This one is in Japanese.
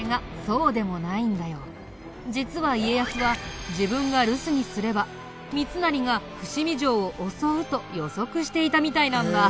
実は家康は自分が留守にすれば三成が伏見城を襲うと予測していたみたいなんだ。